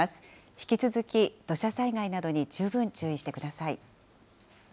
引き続き、土砂災害などに十分注意してください。